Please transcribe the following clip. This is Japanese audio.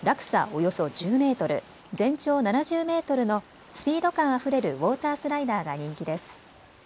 およそ１０メートル全長７０メートルのスピード感あふれるウォータースライダーが人気です。